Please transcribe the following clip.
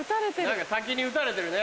何か滝に打たれてるね。